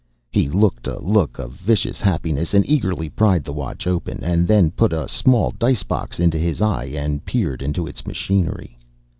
He looked a look of vicious happiness and eagerly pried the watch open, and then put a small dice box into his eye and peered into its machinery.